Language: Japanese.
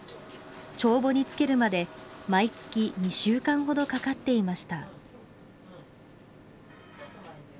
帳簿につけるまで毎月２週間ほどかかっていました。